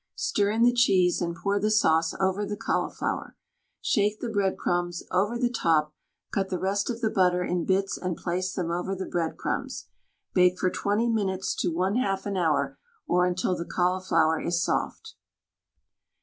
Stir in the cheese and pour the sauce over the cauliflower. Shake the breadcrumbs over the top, cut the rest of the butter in bits, and place them over the breadcrumbs. Bake for 20 minutes to 1/2 an hour, or until the cauliflower is soft.